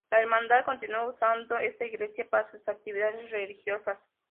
La hermandad continuó usando esta iglesia para sus actividades religiosas.